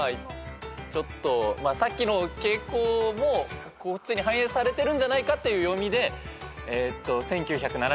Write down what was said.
さっきの傾向もこっちに反映されてるんじゃないかっていう読みで。